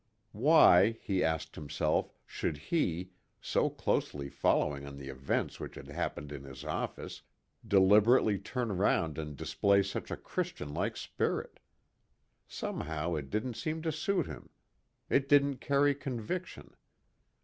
Why, he asked himself, should he, so closely following on the events which had happened in his office, deliberately turn round and display such a Christian like spirit? Somehow it didn't seem to suit him. It didn't carry conviction.